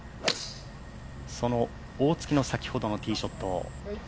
その大槻の先ほどのティーショット。